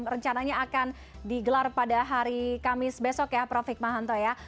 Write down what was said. rencananya akan digelar pada hari kamis besok ya prof hikmahanto ya